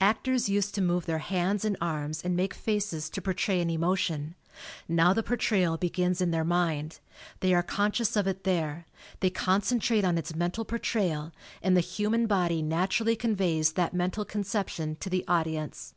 Actors used to move their hands and arms and make faces to portray an emotion ; now the portrayal begins in their mind ; they are conscious of it there, they con centrate on its mental portrayal, and the human body naturally conveys that mental conception to the audi ence.